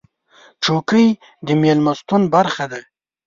چوکۍ د میلمستون برخه ده.